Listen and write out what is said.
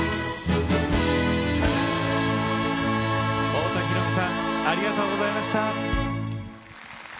太田裕美さんありがとうございました！